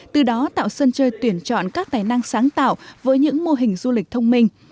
từ đó tạo sân chơi tuyển chọn các tài năng sáng tạo với những mô hình du lịch thông minh